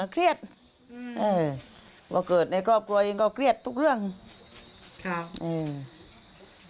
เครียดอืมเออว่าเกิดในครอบครัวเองก็เครียดทุกเรื่องครับอืม